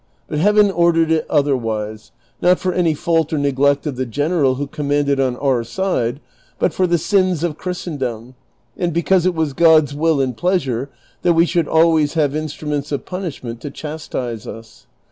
But Heaven ordered it otherwise, not for any fault or neglect of the gen eral who commanded on our side, but for the sins of Christendom, and because it was God's will and pleasure that we should always have instruments of punishment to chastise us.